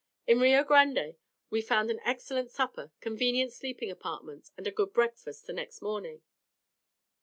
In Rio Grande we found an excellent supper, convenient sleeping apartments, and a good breakfast the next morning.